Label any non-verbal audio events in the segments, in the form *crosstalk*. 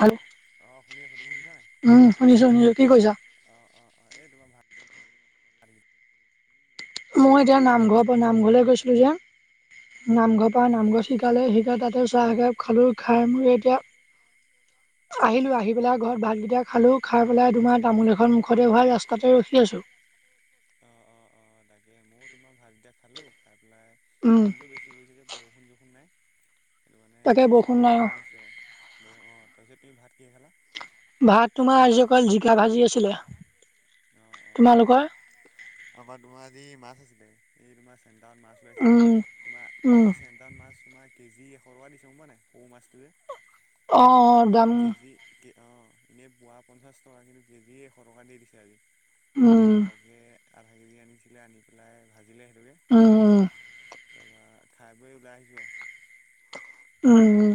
হেল' অঁ শুনি আছোঁ তুমি উম। শুনিছো। শুনিছো। কি কৰিছা? অ'হ। অ'হ। এই তোমাৰ ভাল? মই এতিয়া নামঘৰ ব নামঘৰলৈ গৈছিলো যে, নামঘৰ তা তুমি কি নাম গৱা কৰিছা শিকালে। শিকাল। তাতে চাহ একাপ খালোঁ। খাই মই এতিয়া *inaudible* আহিলোঁ। আহি পেলাই ঘৰত ভাতকেইটা খালোঁ। খাই পেলাই তোমাৰ তামোল এখন মুখতে ভৰাই ৰাস্তাতে ৰখি আছোঁ। অহ। অহ। অহ। তাকে, মইয়ো তোমাৰ ভাতকিটা খালো। খাই পেলাই উম গৰমটো বেছি কৰিছে যে, বৰষুণ -চৰষুণ নাই। সেইটো কাৰণে তাকে বৰষুণ নাই ৰাস্তালৈকে অ ওলাই আহিছো আৰু। বৌ অঁহ। তাৰপিছত তুমি ভাত কিহে খালা? ভাত তোমাৰ আজি অকল জিকা ভাজি আছিলে। অঁ অঁ অঁ তোমালোকৰ?? আমাৰ তোমাৰ আজি মাছ আছিলে। এই তোমাৰ চেণ্টাৰত মাছ লাইছিলে। উম তোমাৰ উম আজি চেণ্টাৰত মাছ তোমাৰ কেজি এশটকা দিছে। গম পোৱানে নাই? সওহ মাছটো যে অহ। অ দাম কেজি- অহ। এনে পোৱা পঞ্চাশ টকা। কিন্তু কেজি এশ টকাত দি দিছে আজি। উম তাকে আধা কেজি আনিছিলে, আনি পেলাই ভাজিলে উম উম তাৰপা খাই বই ওলাই আহিছো আও। উম।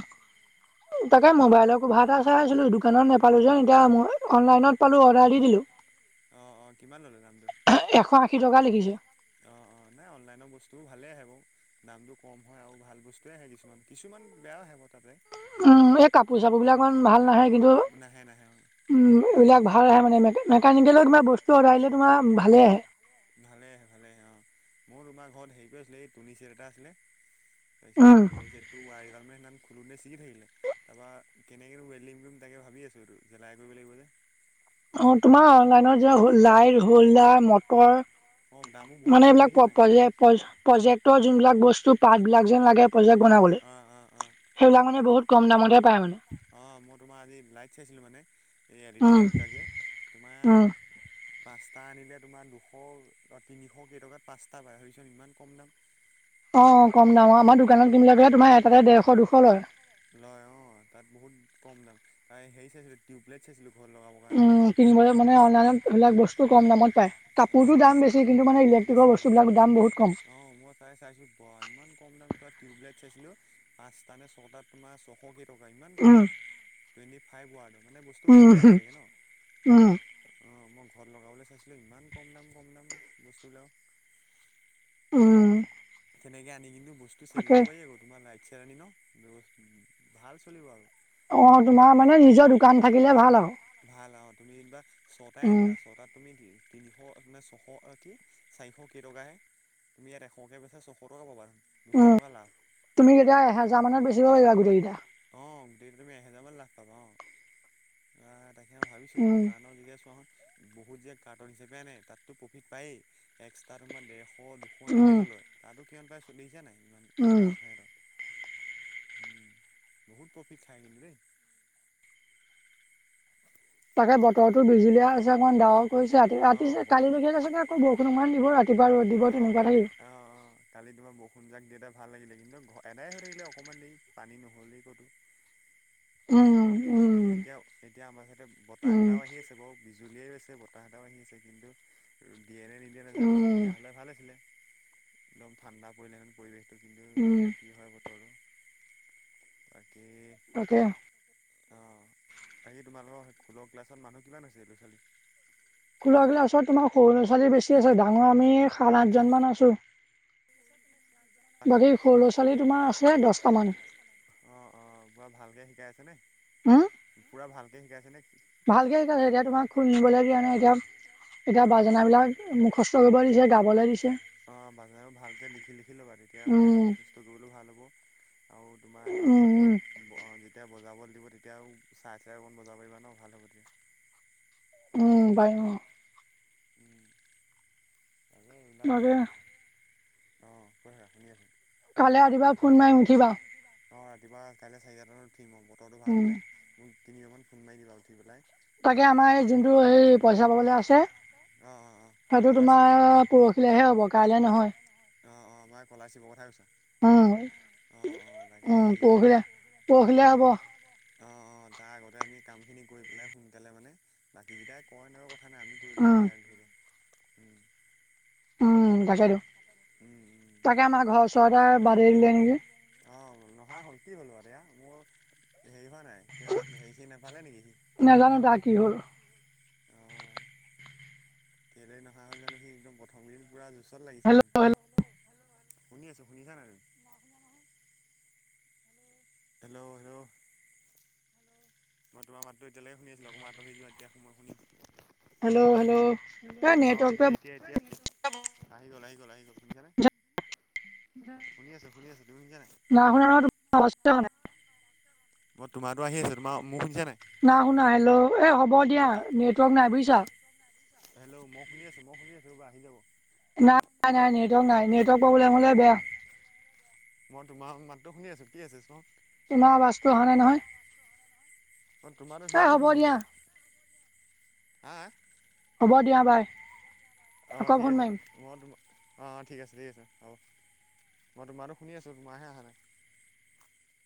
তাকে মোবাইল কভা এটা চাই আছিলোঁ। দোকানত নাপালোঁ যে এতিয়া মই অনলাইনত পালোঁ। অৰ্ডাৰ দি দিলোঁ। অঁহ। অঁহ। কিমান ল'লে দামটো? এশ আশী টকা লিখিছে। অ'হ। অ'হ। নাই অনলাইনৰ বস্তুও ভালেই আহে বাৰু। দামটো কম হয়। আৰু ভাল বস্তুৱে আহে কিছুমান। কিছুমান বেয়া আহে বাও তাতে। এই কাপোৰ-চাপোৰবিলাক অকমান ভাল নাহে। কিন্তু নাহে নাহে এইবিলাক ভাল ভাল আহে মানে। মে মেকানিকেলৰ কিবা বস্তু অৰ্ডাৰ দিলে তোমাৰ ভালেই আহে। ভালে আহে। ভালে আহে। অহ। মোৰ তোমাৰ ঘৰত হেৰিটো আছিলে। এই তুনি চেট এটা আছিলে তাৰপিছত উম, তুনিছেটটো ওৱা কেডালমান মানে খোঁলোতে চিগি থাকিলে তাপৰা কেনেকেনো ৱেল্ডিং কৰিম তাকে ভাবি আছোঁ। এইটো জেলাই কৰিব লাগিব যে। অ তোমাৰ অনলাইনৰত যোৱা হ লাইট, হল্ডাৰ, মটৰ অঁ দামো বহুত মানে কম এইবিলাক দেখিছা প নাই পজেপ প্ৰজেক্টৰ যোনবিলাক বস্তু পাৰ্টবিলাক যেন লাগে। প্ৰজেক্ট বনাবলৈ অঁ অঁ অঁ সেইবিলাক মানে বহুত কম দামতে পায় মানে। অঁ মই তোমাৰ আজি লাইট চাইছিলোঁ, মানে এই এল ই ডি উম, লাইটবিলাকে উম, তোমাৰ পাঁচটা আনিলে তোমাৰ দুশ তিনিশ কেইটকাত পাঁচটা পায়, ভাবিছোঁ ইমান কম দাম। অঁ কম দাম, আমাৰ দোকানত কিনিলেগে তোমাৰ এটাতে দেৰশ দুশ লয়। লয় অঁ তাত বহুত কম দাম, তাই হেৰি চাইছিলোঁ টিউবলোইট চাইছিলোঁ ঘৰত লগাবৰ কাৰণে। উম, কিনিবলৈ মানে অনলাইত এইবিলাক বস্তু কম দামত পায়। অ' কাপোৰটো দাম অ' বেছি, কিন্তু মান ইলেক্ট্ৰিকৰ বস্তুবিলাকৰ দাম বহুত কম। চাই চাইছিলো বা ইমান কম দাম ত টিউবলাইট চাইছিলো পাঁচটা নে ছটাত তোমাৰ ছশ কেইটকা ইমান কম উম, দাম টুৱেণ্টি ফাইভ ৱাৰ্ডৰ। মানে বস্তু উম, ভালেই আহে চাগে ন। উম। অঁ মই ঘৰত লগাবলৈ চাইছিলো ইমান কম দাম কম দাম বস্তুবিলাক। অঁ তেনেকৈ আনিমিনি কিন্তু বস্তু চেল কৰিব পাৰি আকৌ তোমাৰ লাইট চাইট আনি ন ভাল চলিব আৰু। অঁ, তোমাৰ মানে নিজৰ দোকান থাকিলে ভাল আও। ভাল আৰু তুমি যেনিবা ছটা আনিলা ছটাত তুমি দি তিনিশ মানে ছশ কি চাৰিশ কেইটকাহে। তুমি ইয়াত এশকে বেছা ছশ টকা পাবা দুশ উম টকা লাভ। তুমি কেতিয়া এহেজাৰ মানত বেচিব লাগিব গোটেইকেইটা। অঁ গোটেইটো তুমি এহেজাৰ মান লাভ অঁ। আঁহ তাকেই ভাবিছো উম দোকানৰ যেতিয়া চোৱা হোন বহুত যে কাৰ্টন হিচাপে আনে তাততো প্ৰফিট পায়েই, এক্সট্ৰা তোমাৰ ডেৰ এশ দুশ উম এনেকৈ লৈ লয় তাতো কিমান পায় চলিছে নাই ইমান উম লাভ নাই ত। উম বহুত প্ৰফিট খাই কিন্তু দেই। তাকে বতৰৰতো বিজুলিয় আছে অকণ ডাৱৰ কৰিছে ৰাতি অ ৰাতি যে বতা কালিলৈকে চাগে আকৌ বৰষুণ অকণ দিবই ৰাতি। কিবা আৰু দিব অ তেনেকুৱা কালি থাকে। অ অ কালি তোমাৰ বৰষুণ জাক দিয়াতে ভাল লাগিলে, কিন্তু ঘ এদাই থাকিলে অকণমান দেৰি পানী নহ'লেই ক'তো। উম তোমাৰ উম এতিয়া এতিয়া আমাৰ চাডেইতে বতাহ উম এটাও আহি আছে বাও বিজুলীয়েই আছে বতাহ এটাও আহি আছে কিন্তু দিয়ে নে নিদিয়ে নাজানো, উম দিয়া হ'লে ভাল আছিলে। একদম ঠাণ্ডা পৰিলে মানে পৰিৱেশটো কিন্তু উম এতিয়া কি হয় বতৰো? বাকী তাকে অঁ, বাকী তোমালোকৰ খোলৰ ক্লাছত মানুহ কিমান হৈছে এই ল'ৰা ছোৱালী খোল ক্লাছত তোমাৰ সৰু ল'ৰা ছোৱালী বেছি আছে, ডাঙৰ আমি সাত আঠজনমান আছোঁ। *inaudible* বাকী সৰু ল'ৰা ছোৱালী তোমাৰ আছে দশটামান। অঁ অঁ পুৰা ভালকে শিকাই আছে নে, হম পুৰা ভালকে শিকাইছে নে। ভালকে শিকাইছে, এতিয়া তোমাক খোল নিবলৈ দিয়া নাই হেতক, এতিয়া অঁ বাজনাবিলাক অঁ মুখস্থ কৰিব দিছে, গাবলৈ দিছে। অঁ বাজানা বোৰ ভালকে লিখি লিখি ল'বা তেতিয়া মানে উম মোখস্থ কৰিবলৈ ভাল হ'ব। আৰু তোমাৰ হেৰি উম উম কৰিলেও যেতিয়া বজাবলে দিব তেতিয়াও চাই চাই অকণ বজাব পাৰিবা ন ভাল হ'ব তেতিয়া। উম বাৰু। উম, তাকে এইবিলাক তাকে অঁ কোৱা শুনি আছোঁ। কাইলে ৰাতিপুৱা ফোন মাৰিম। কিবা হ অঁহ, ৰাতিপুৱা কাইলৈ চাৰিটা নত উঠিম আও। বতৰটো ভাল উম হ'লে। মোক তিনি বাৰমান ফোন মাৰি দিবা আৰু উঠি পেলাই। তাকে আমাৰ এই যোনটো হেই পইচা পাবলৈ আছে অঁ অঁ অঁ সেইটো স্কলাৰশ্বিপটো তোমাৰ প ৰহিলেহে হ'ব। কাইলৈ নহয়। অঁহ। অঁহ। মানে কলাৰশিপৰ কথা কৈছা? উম অহ। অহ। তাকে হেইখিনি পৰশিলৈ হব। অহ। অহ। তাৰ আগতে আমি কামখিনি কৰি পেলাই সোনকালে মানে, বাকীকেইটাই কয়ে- নকয়ে কথা নাই। আমি কৰি ল'ব উম লাগে আগ ধৰি। উম। উম। তাকেইতো। উম উম তাকে আমাৰ ঘৰৰ ওচৰতে বাদেই দিলে নেকি! অহ নহা হ'ল। কি হ'ল হতি হা। মোৰ হেৰি হোৱা নাই। এতিয়া হেৰিখিনি নাপালে নেকি সি? সেইটো নাজানো কাৰণে তাৰ কি হ'ল অঁ কেলে নহা হ'ল জানো সি! একদম প্ৰথমকেইদিন পুৰা জুচত লাগিছিলে। হেল্ল' হেল্ল' শুনি আছো। শুনিছা নাই তুমি? *unintelligible* *inaudible* হেল্ল' হেল্ল' মই তোমাৰ মাতটো এতিয়ালৈকে শুনি আছিলো। অকমান আঁতহি যোৱা। তেতিয়া মই শুনিম। হেল্ল' হেল্ল' অ' নেটৱৰ্কটোৱে এতিয়া - এতিয়া। আহি গল। আহি গল। আহি গ'ল। শুনিছানে? শুনি আছো। শুনি আছো। তুমি শুনছা নাই? নাই শুনা নহয়। *unintelligible* হোৱা নাই। মই তোমাৰতো আহি আছে। তোমাৰ মো শুনিছা নাই? নাই শুনা। হেল্ল'। এই হ'ব দিয়া। নেটৱৰ্ক নাই বুজিছা। হেল্ল'। মই শুনি আছো। মই শুনি আছো। ৰবা, আহি যাব। তোমাৰ নাই -নাই -নাই -নেটৱৰ্ক নাই। নেটৱৰ্ক প্ৰব্লেম হলে বেয়া। মই তোমাৰ মাতটো শুনি আছো। কি আছে চাওঁ তোমাৰ বছটো অহা নাই মই তোমাৰতো নহয়। এ ধুনীয়াকৈ হ'ব শুনি দিয়া। আছোঁ। হা- হা হ'ব দিয়া। বাই। অ' অ' আকৌ ঠিক ফোন আছে। মো মাৰিম মই তোম -অহ। অহ। ঠিক আছে। ঠিক আছে। হ'ব। মই তোমাৰতো শুনি আছোঁ। তোমাৰহে অহা নাই।